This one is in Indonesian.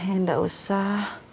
eh gak usah